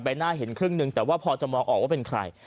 หน้าเห็นครึ่งหนึ่งแต่ว่าพอจะมองออกว่าเป็นใคร